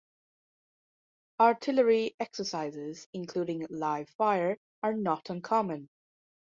Artillery exercises, including live fire, are not uncommon.